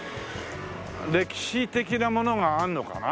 歴史的なものがあるのかな？